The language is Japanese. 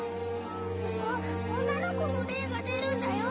ここ女の子の霊が出るんだよ